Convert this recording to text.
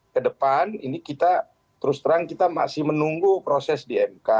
kedepan ini kita terus terang kita masih menunggu proses di mk